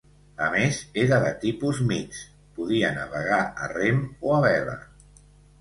A més era de tipus mixt, podia navegar a rem o a vela.